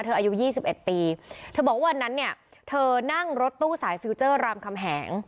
อายุ๒๑ปีเธอบอกว่าวันนั้นเนี่ยเธอนั่งรถตู้สายฟิลเจอร์รามคำแหง